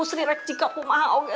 jangan jangan jangan